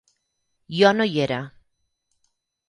Jo no hi era.